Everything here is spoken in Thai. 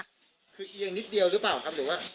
คือเอียงนิดเดียวหรือเปล่าครับหรือว่า